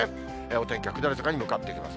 お天気は下り坂に向かっていきます。